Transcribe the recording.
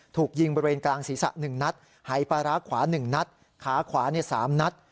ถูกยิงบริเวณกลางศีรษะ๑นัดหายปลาร้าขวา๑นัดขาขวา๓นัด